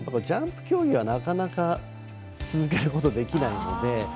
ジャンプ競技はなかなか続けることできないので。